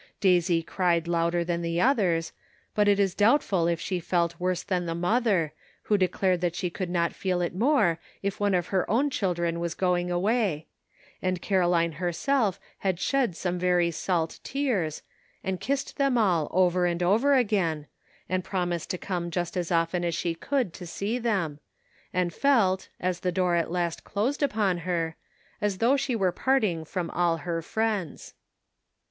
Daisy cried louder than the others, but it is doubtful if she felt worse than the mother, who declared that she could not feel it more if one of her own children was going away; and Caroline herself had shed some very salt tears, and kissed them all over and over again, and prom ised to come just as often as she could to see them, and feltj as the door at last closed upon 208 CONFLICTING ADVICE. her, as though she were parting from all her friends.